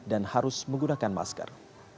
dan harus menggunakan masker